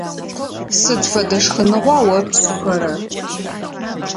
Сыд фэдэ шхыныгъуа о пшӏыхэрэр?